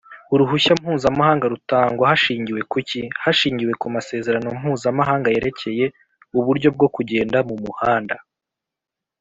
uruhushya mpuzamahanga rutangwa hashigiwe kuki?hashingiwe kumasezerano mpuzamahaga yerekeye uburyo bwo kugenda mumuhanda